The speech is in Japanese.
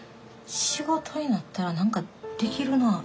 仕事になったら何かできるな」。